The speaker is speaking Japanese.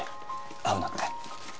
会うなって？